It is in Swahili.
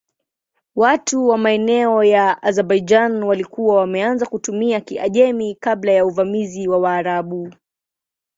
Watu wa maeneo ya Azerbaijan walikuwa wameanza kutumia Kiajemi kabla ya uvamizi wa Waarabu.